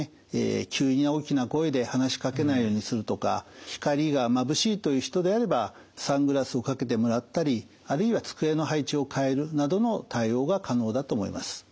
急に大きな声で話しかけないようにするとか光がまぶしいという人であればサングラスをかけてもらったりあるいは机の配置を変えるなどの対応が可能だと思います。